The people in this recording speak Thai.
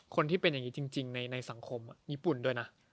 คนที่เป็นอย่างนี้จริงในสังคมญี่ปุ่นด้วยนะ